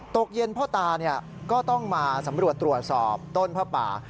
ตกเย็นพ่อตาก็ต้องมาสำรวจตรวจสอบต้นผ้าป่า